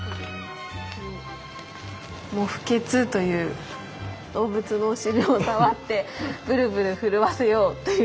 「もふけつ」という動物のお尻を触ってブルブル震わせようという。